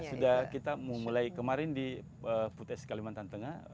sudah kita mulai kemarin di putes kalimantan tengah